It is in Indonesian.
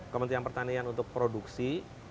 kementerian pertanian untuk produksi